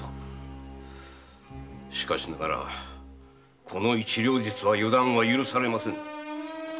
しかしながらこの一両日は予断は許されませぬ。